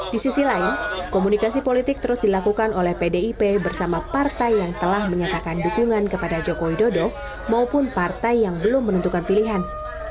di sisi lain komunikasi politik terus dilakukan oleh pdip bersama partai yang telah menyatakan dukungan kepada jokowi dodo maupun partai yang belum menentukan pilihan